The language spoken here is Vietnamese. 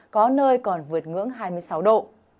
đó nơi còn vượt ngưỡng hai mươi sáu độ